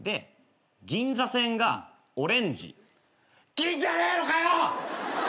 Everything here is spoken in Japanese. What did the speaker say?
銀じゃねえのかよ！